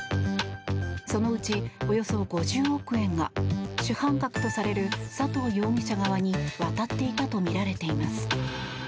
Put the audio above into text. そのうち、およそ５０億円が主犯格とされる佐藤容疑者側に渡っていたとみられています。